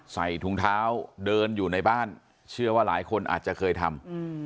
ใส่ถุงเท้าเดินอยู่ในบ้านเชื่อว่าหลายคนอาจจะเคยทำ